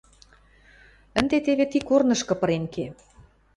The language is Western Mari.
– Ӹнде теве ти корнышкы пырен ке.